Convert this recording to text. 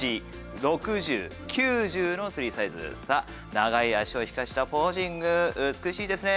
長い足を生かしたポージング美しいですね。